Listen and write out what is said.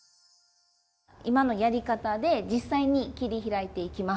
今のやり方で実際に切り開いていきます。